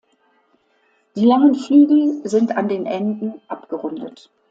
Die langen Flügel sind an den Enden abgerundet.